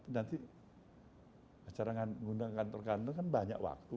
tapi nanti acara mengundang kantor kantor kan banyak waktu